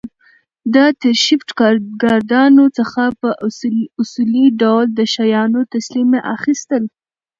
د تېر شفټ ګاردانو څخه په اصولي ډول د شیانو تسلیمي اخیستل